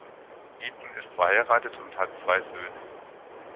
Eaton ist verheiratet und hat zwei Söhne.